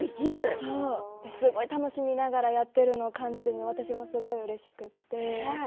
楽しみながらやってるのをすごく感じるので私もすごくうれしくて。